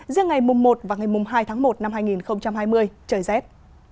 giữa ngày mùng một và ngày mùng hai tháng một năm hai nghìn hai mươi trời rét